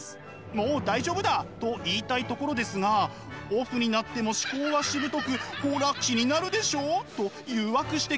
もう大丈夫だと言いたいところですがオフになっても思考はしぶとく「ほら気になるでしょ」と誘惑してきます。